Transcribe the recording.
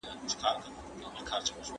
تعلیم روغتیایي پوهاوی زیاتوي.